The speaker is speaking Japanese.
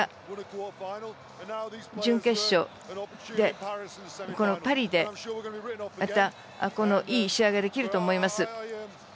これから準決勝で、このパリでまたいい試合ができると思います。